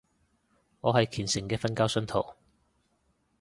我係虔誠嘅瞓覺信徒